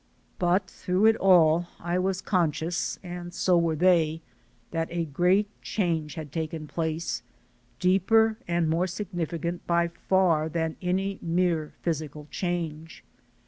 But through it all I was conscious, and so were they, that a great change had taken place, deeper and more significant by far than any mere physical change.